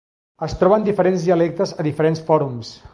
Es troben diferents dialectes a diferents fòrums.